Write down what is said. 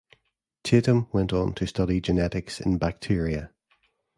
Tatum went on to study genetics in bacteria.